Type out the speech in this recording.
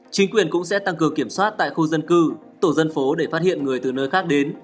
chính quyền cũng sẽ tăng cường kiểm soát tại khu dân cư tổ dân phố để phát hiện người từ nơi khác đến